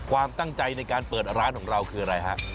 ความตั้งใจในการเปิดร้านของเราคืออะไรฮะ